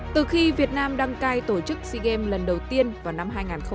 từ khi việt nam đăng cai tổ chức sea games lần đầu tiên vào năm hai nghìn ba